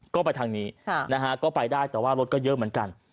ก็ไปทางนี้นะฮะก็ไปได้แต่ว่ารถก็เยอะเหมือนกัน